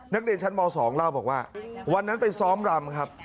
นักเรียนชั้นม๒เล่าบอกว่าวันนั้นไปซ้อมรำครับ